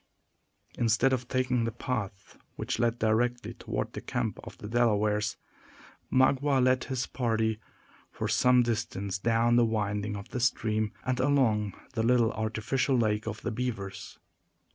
Instead of taking the path which led directly toward the camp of the Delawares, Magua led his party for some distance down the windings of the stream, and along the little artificial lake of the beavers.